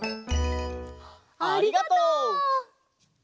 ありがとう。